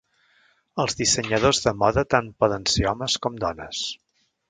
Els dissenyadors de moda tant poden ser homes com dones.